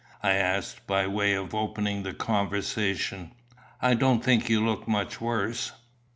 I asked, by way of opening the conversation. "I don't think you look much worse."